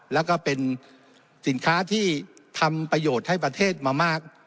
แล้วก็เป็นสินค้าที่ทำประโยชน์ให้ประเทศมามาก